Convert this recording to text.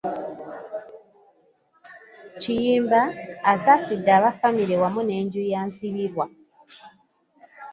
Kiyimba, asaasidde abafamire wamu n'enju ya Nsibirwa.